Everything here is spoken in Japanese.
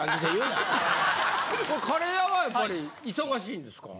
・カレー屋はやっぱり忙しいですか？